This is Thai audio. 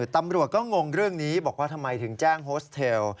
ตำรวจก็งงเรื่องนี้บอกว่าทำไมถึงแจ้งโฮสเทล